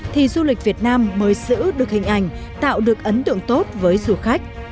thì du lịch việt nam mới giữ được hình ảnh tạo được ấn tượng tốt với du khách